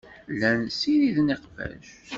Llan ssiriden iqbac.